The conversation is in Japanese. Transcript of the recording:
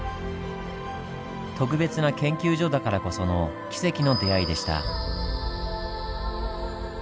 特別な研究所だからこその奇跡の出会いでした。